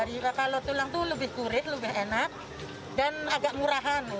lebih ke tulang kalau tulang itu lebih kurit lebih enak dan agak murahan